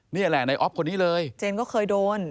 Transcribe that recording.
นี่แหละในออฟคนนี้เลยเจนก็เคยโดน